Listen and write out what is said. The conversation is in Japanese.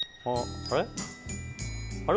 あれ？